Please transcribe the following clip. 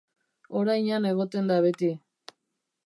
Orain han egoten da beti.